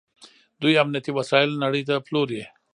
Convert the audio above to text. دوی امنیتي وسایل نړۍ ته پلوري.